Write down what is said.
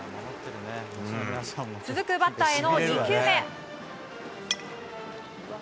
続くバッターへの２球目。